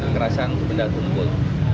kerasan benda kumpul